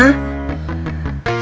kalau saya pencet kartu yang sama